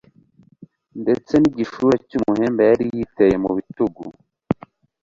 ndetse n'igishura cy'umuhemba yari yiteye mu bitugu